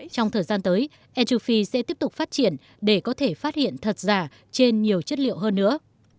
trong thời gian tới atrophy sẽ tiếp tục phát triển để có thể phát hiện thật giả trên nhiều chất liệu hơn nữa